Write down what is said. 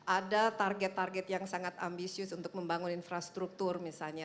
ada target target yang sangat ambisius untuk membangun infrastruktur misalnya